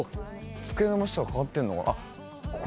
机の場所とか変わってんのかなあっ。